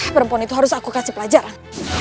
perempuan itu harus aku kasih pelajaran